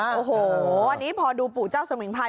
อันนี้พอดูปุจาคสมิงพราย